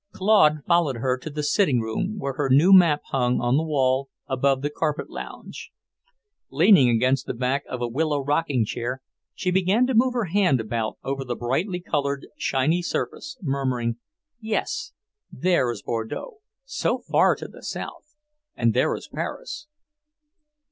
Claude followed her to the sitting room, where her new map hung on the wall above the carpet lounge. Leaning against the back of a willow rocking chair, she began to move her hand about over the brightly coloured, shiny surface, murmuring, "Yes, there is Bordeaux, so far to the south; and there is Paris."